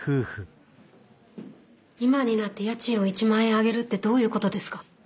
今になって家賃を１万円上げるってどういうことですか！